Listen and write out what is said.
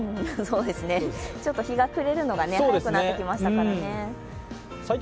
ちょっと日が暮れるのが早くなってきましたからね。